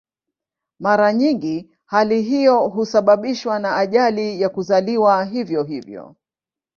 Mara nyingi hali hiyo husababishwa na ajali au kuzaliwa hivyo hivyo.